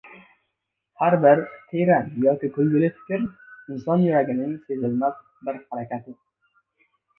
har bir teran yoki kulgili fikr, inson yuragining sezilmas har bir harakati